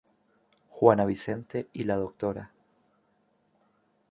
Juana Vicente y la Dra.